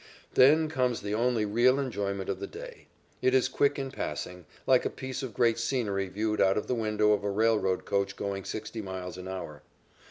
Then comes the only real enjoyment of the day. It is quick in passing, like a piece of great scenery viewed out of the window of a railroad coach going sixty miles an hour.